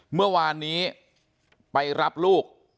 เมื่อวานนี้ไปรับลูก